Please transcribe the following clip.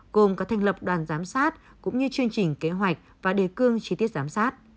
gồm các thành lập đoàn giám sát cũng như chương trình kế hoạch và đề cương chi tiết giám sát